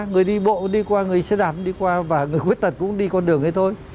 người đi bộ đi qua người xe đạp đi qua và người khuyết tật cũng đi con đường ấy thôi